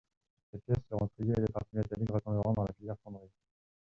Ces pièces seront triées et les parties métalliques retourneront dans la filière fonderie.